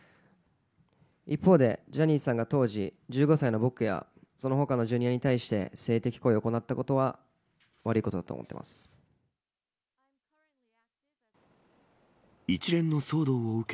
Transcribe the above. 一方で、ジャニーさんが当時１５歳の僕や、そのほかのジュニアに対して性的行為を行ったことは、悪いことだ一連の騒動を受け、